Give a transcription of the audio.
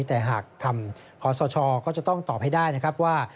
แต่หากทำขอสชก็จะต้องตอบให้ได้นะครับว่า